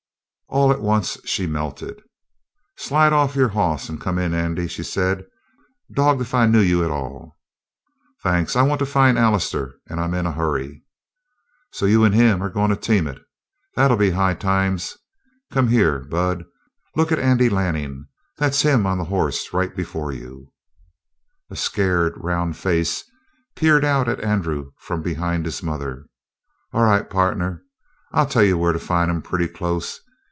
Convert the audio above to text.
All at once she melted. "Slide off your hoss and come in, Andy," she said. "Dogged if I knew you at all!" "Thanks. I want to find Allister and I'm in a hurry." "So you and him are goin' to team it? That'll be high times! Come here, Bud. Look at Andy Lanning. That's him on the horse right before you." A scared, round face peered out at Andrew from behind his mother. "All right, partner. I'll tell you where to find him pretty close.